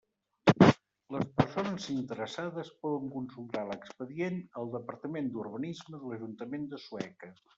Les persones interessades poden consultar l'expedient al Departament d'Urbanisme de l'Ajuntament de Sueca.